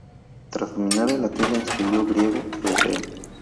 Tras dominar el latín estudió griego y hebreo.